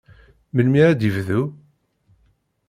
Melmi ara ad yebdu?